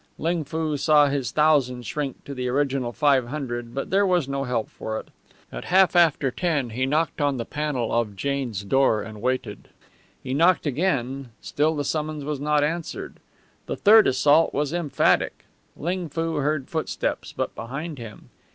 Ling Foo saw his thousand shrink to the original five hundred, but there was no help for it. At half after ten he knocked on the panel of Jane's door and waited. He knocked again; still the summons was not answered. The third assault was emphatic. Ling Foo heard footsteps, but behind him.